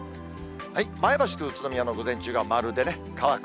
前橋と宇都宮の午前中は丸でね乾く。